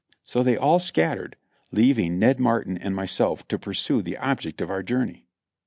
So they all scattered, leaving Ned Martin and myself to pursue the object of our journey.